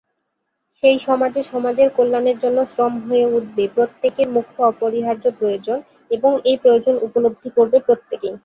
সেই সমাজে সমাজের কল্যাণের জন্য শ্রম হয়ে উঠবে প্রত্যেকের মুখ্য অপরিহার্য প্রয়োজন এবং এই প্রয়োজন উপলব্ধি করবে প্রত্যেকেই।